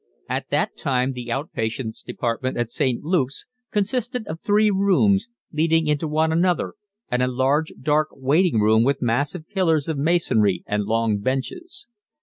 At that time the out patients' department at St. Luke's consisted of three rooms, leading into one another, and a large, dark waiting room with massive pillars of masonry and long benches.